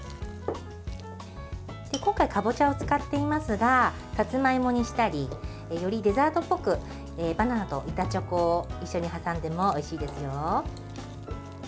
今回、かぼちゃを使っていますがさつまいもにしたりよりデザートっぽくバナナと板チョコを一緒に挟んでもおいしいですよ。